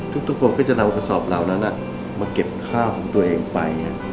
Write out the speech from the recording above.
ทุกคนก็จะนำกระสอบเหล่านั้นมาเก็บข้าวของตัวเองไป